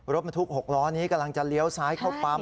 รถบรรทุก๖ล้อนี้กำลังจะเลี้ยวซ้ายเข้าปั๊ม